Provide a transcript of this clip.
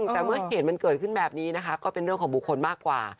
แต่เมื่อเหตุมันเกิดขึ้นแบบนี้นะคะก็เป็นเรื่องของบุคคลมากกว่า